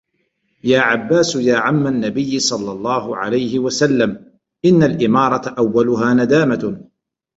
يَا عَبَّاسُ يَا عَمَّ النَّبِيِّ صَلَّى اللَّهُ عَلَيْهِ وَسَلَّمَ إنَّ الْإِمَارَةَ أَوَّلُهَا نَدَامَةٌ